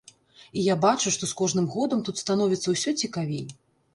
І я бачу, што з кожным годам тут становіцца ўсё цікавей.